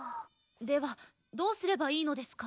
ではどうすればいいのですか？